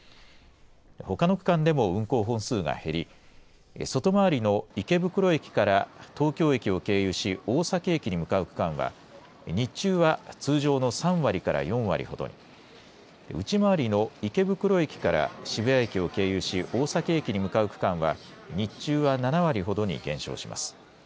ほかの区間でも運行本数が減り、外回りの池袋駅から東京駅を経由し、大崎駅に向かう区間は、日中は通常の３割から４割ほどに、内回りの池袋駅から渋谷駅を経由し大崎駅に向かう区間は、日中は７割ほどに減少します。